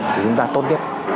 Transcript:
thì chúng ta tốt nhất